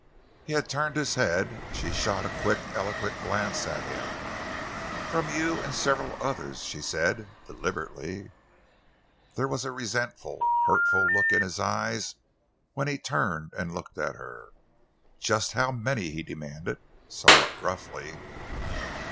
He had turned his head and she shot a quick, eloquent glance at him. "From you—and several others," she said, deliberately. There was a resentful, hurt look in his eyes when he turned and looked at her. "Just how many?" he demanded, somewhat gruffly.